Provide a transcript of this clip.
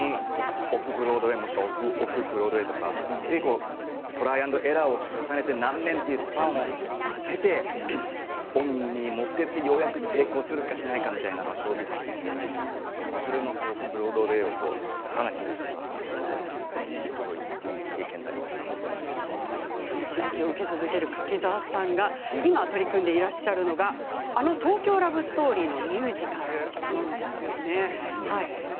オン・ブロードウェイに持っていくためにオフ・ブロードウェイもしくはオフブロードウェイとかトライアンドエラーを重ねて何年というスパンを経てオンに持っていってようやく成功するかしないかというショービジネスの世界なのでそのオフ・ブロードウェイをかなり見させてもらったので柿澤さんが今取り組んでらっしゃるのが、あの「東京ラブストーリー」のミュージカルなんですよね。